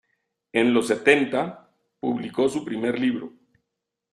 En los setenta, publicó su primer libro.